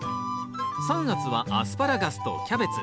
３月は「アスパラガス」と「キャベツ」。